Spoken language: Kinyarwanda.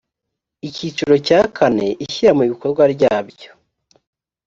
icyiciro cya kane ishyira mu bikorwa ryabyo